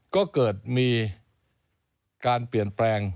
ก็เกิดมีการเปลี่ยนแปลง